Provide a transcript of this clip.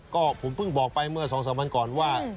ก็ผมเพิ่งบอกไปเมื่อ๒๓วันก่อนว่า